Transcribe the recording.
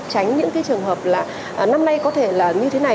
tránh những cái trường hợp là năm nay có thể là như thế này